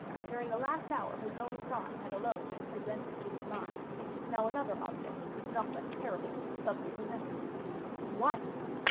During the last hour his own crime had alone been presented to his mind; now another object, not less terrible, suddenly presented itself. His wife!